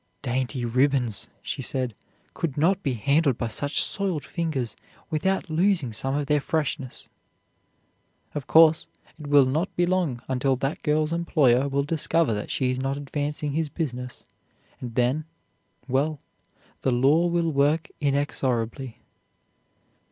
"Dainty ribbons," she said, "could not be handled by such soiled fingers without losing some of their freshness." Of course, it will not be long until that girl's employer will discover that she is not advancing his business, and then, well, the law will work inexorably.